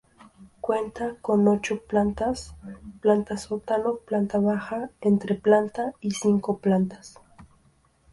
Cuenta con ocho plantas: planta sótano, planta baja, entreplanta y cinco plantas.